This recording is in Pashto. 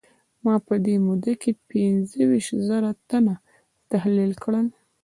ما په دې موده کې پينځه ويشت زره تنه تحليل کړل.